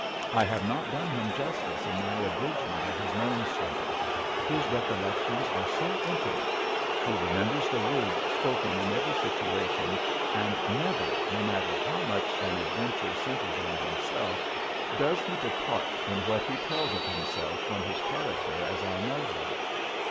I have not done him justice in my abridgment of his Nome story. His recollections are so intimate. He remembers the words spoken in every situation and never, no matter how much an adventure centers in himself, does he depart in what he tells of himself from his character as I know him.